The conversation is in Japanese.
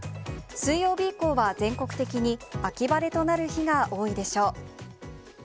水曜日以降は全国的に秋晴れとなる日が多いでしょう。